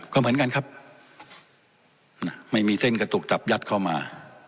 ก็เหมือนกันครับไม่มีเส้นกระตุกตับยัดเข้ามา